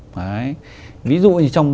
đấy ví dụ như trong